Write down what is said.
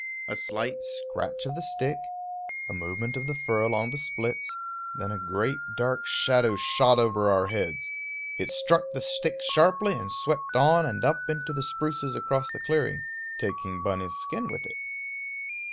A slight scratch of the stick, a movement of the fur along the splits, then a great dark shadow shot over our heads. It struck the stick sharply and swept on and up into the spruces across the clearing, taking Bunny's skin with it.